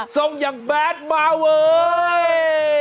ซองยังแบดมาเว้ย